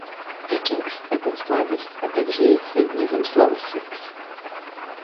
Кекс — это сладость, а также эвфемизм слова "секс".